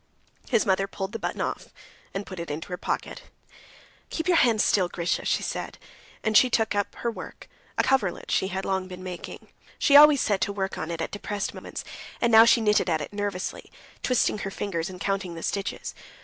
His mother pulled the button off and put it in her pocket. "Keep your hands still, Grisha," she said, and she took up her work, a coverlet she had long been making. She always set to work on it at depressed moments, and now she knitted at it nervously, twitching her fingers and counting the stitches.